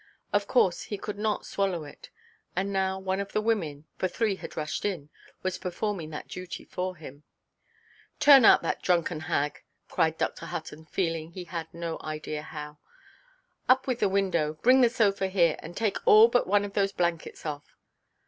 Of course he could not swallow it; and now one of the women (for three had rushed in) was performing that duty for him. "Turn out that drunken hag!" cried Dr. Hutton, feeling he had no idea how. "Up with the window. Bring the sofa here; and take all but one of those blankets off."